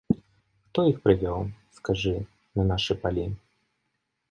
Хто іх прывёў, скажы, на нашы палі?